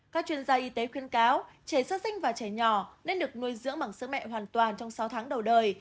các chuyên gia y tế khuyên cáo trẻ sơ sinh và trẻ nhỏ nên được nuôi dưỡng bằng sữa mẹ hoàn toàn trong sáu tháng đầu đời